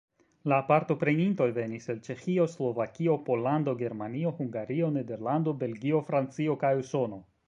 La partoprenintoj venis el Ĉeĥio, Slovakio, Pollando, Germanio, Hungario, Nederlando, Belgio, Francio kaj Usono.